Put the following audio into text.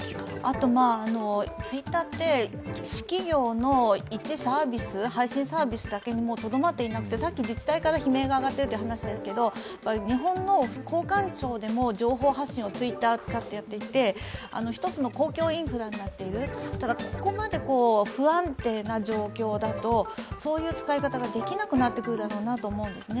あと、Ｔｗｉｔｔｅｒって私企業の一配信サービスだけにとどまっていなくて、自治体から悲鳴が上がっているという話ですけれども日本の高官層でも情報発信をＴｗｉｔｔｅｒでやっていて一つの公共インフラになっているただ、ここまで不安定な状況だとそういう使い方ができなくなってくるなと思うんですよね。